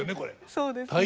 そうですね。